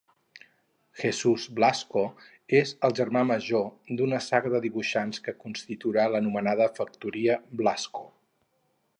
Jesús Blasco és el germà major d'una saga de dibuixants que constituirà l'anomenada factoria Blasco.